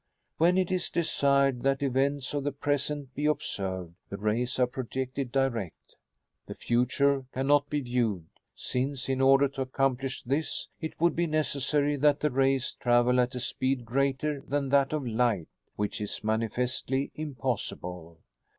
When it is desired that events of the present be observed, the rays are projected direct. The future can not be viewed, since, in order to accomplish this, it would be necessary that the rays travel at a speed greater than that of light, which is manifestly impossible."